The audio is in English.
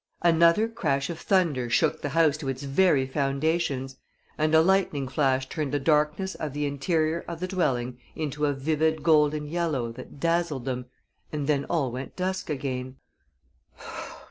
Another crash of thunder shook the house to its very foundations, and a lightning flash turned the darkness of the interior of the dwelling into a vivid golden yellow that dazzled them, and then all went dusk again.